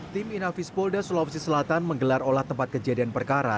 tim inafis polda sulawesi selatan menggelar olah tempat kejadian perkara